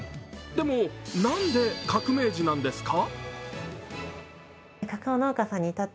でも、なんで革命児なんですか？